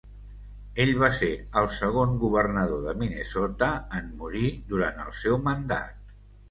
Ell va ser el segon governador de Minnesota en morir durant el seu mandat.